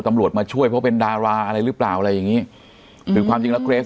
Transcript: มาช่วยเพราะเป็นดาราอะไรหรือเปล่าอะไรอย่างงี้คือความจริงแล้วเกรส